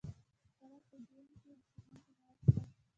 د فراه په جوین کې د سمنټو مواد شته.